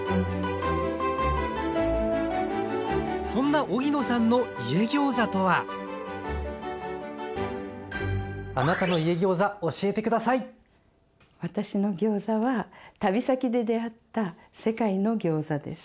そんな荻野さんの「家ギョーザ」とは私のギョーザは旅先で出会った世界のギョーザです。